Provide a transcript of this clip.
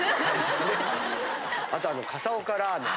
あとあの笠岡ラーメン。